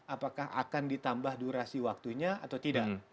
apakah akan ditambah durasi waktunya atau tidak